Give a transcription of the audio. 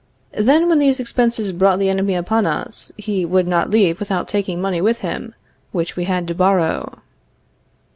Then, when these expenses brought the enemy upon us, he would not leave without taking money with him, which we had to borrow.